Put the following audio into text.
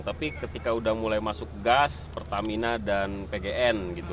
tapi ketika udah mulai masuk gas pertamina dan pgn gitu